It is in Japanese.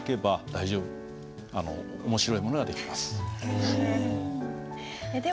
面白いものが出来ます。